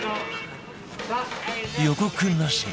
予告なし